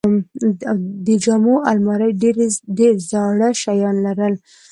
د جامو الماری ډېرې زاړه شیان لرل.